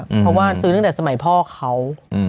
เพราะว่าซื้อตั้งแต่สมัยพ่อเขา